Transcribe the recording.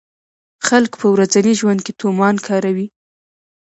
خلک په ورځني ژوند کې تومان کاروي.